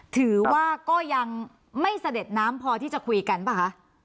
ถือว่าก็ยังไม่เสด็จน้ำพอที่จะคุยกันป่ะคะ